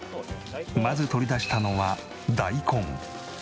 まず取り出したのは大根。